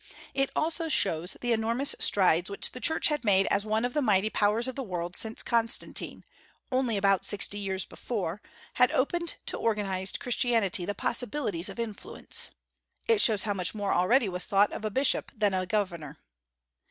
It also shows the enormous strides which the Church had made as one of the mighty powers of the world since Constantine, only about sixty years before, had opened to organized Christianity the possibilities of influence. It shows how much more already was thought of a bishop than of a governor.